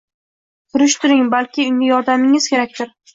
Surishtiring – balki unga yordamingiz kerakdir?